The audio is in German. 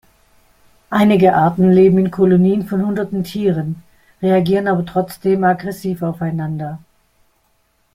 Einige Arten leben in Kolonien von hunderten Tieren, reagieren aber trotzdem aggressiv aufeinander.